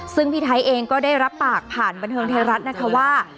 ซึ่งพี่ไทยเองก็ได้รับปากผ่านบันเทิงไทยรัฐนะคะว่า